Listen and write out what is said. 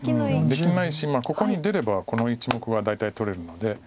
できないしここに出ればこの１目は大体取れるので。